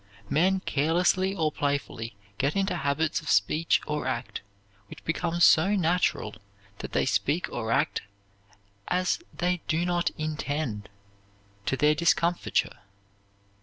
Men carelessly or playfully get into habits of speech or act which become so natural that they speak or act as they do not intend, to their discomfiture.